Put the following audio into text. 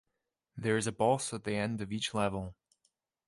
There is a boss at the end of each level.